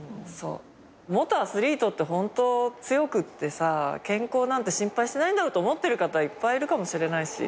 元アスリートってホント強くてさ健康なんて心配してないんだろって思ってる方いっぱいいるかもしれないし。